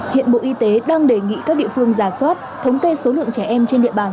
hiện bộ y tế đang đề nghị các địa phương giả soát thống kê số lượng trẻ em trên địa bàn